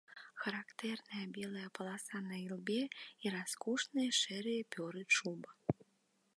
Характэрныя белая паласа на ілбе і раскошныя шэрыя пёры чуба.